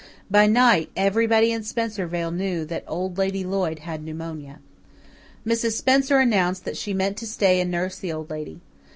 By night everybody in Spencervale knew that Old Lady Lloyd had pneumonia. Mrs. Spencer announced that she meant to stay and nurse the Old Lady.